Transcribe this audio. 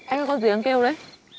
anh có con gì anh kêu đấy